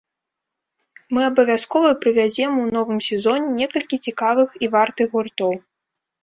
Мы абавязкова прывязем у новым сезоне некалькі цікавых і вартых гуртоў.